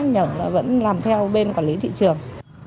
nhận là vẫn làm theo bên quản lý thị trường